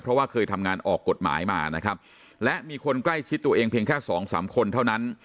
เพราะว่าเคยทำงานออกกฎหมายมานะครับและมีคนใกล้ชิดตัวเองเพียงแค่สองสามคนเท่านั้น